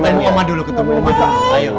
mama dulu ketemu oma dulu